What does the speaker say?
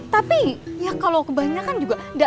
tapi ya kalau kebanyakan juga enggak